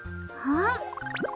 あっ！